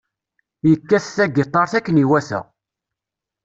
Yekkat tagitaṛt akken iwata.